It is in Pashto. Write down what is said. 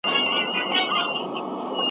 تکنالوژي د تولید په ډېرولو کي مرسته کوي.